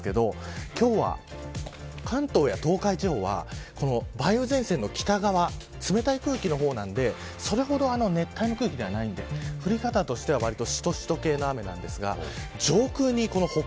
今日は、関東や東海地方は梅雨前線の北側冷たい空気の方なので熱帯の空気ではないので降り方としては、しとしと系の雨です。